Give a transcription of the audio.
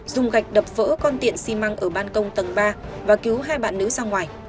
dùng gạch đập vỡ con tiệm xi măng ở ban công tầng ba và cứu hai bạn nữ ra ngoài